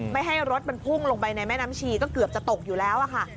ไม่ให้รถมันพุ่งลงไปในแม่น้ำชีก็เกือบจะตกอยู่แล้วค่ะ